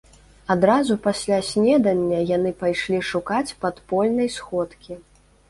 Адразу пасля снедання яны пайшлі шукаць падпольнай сходкі.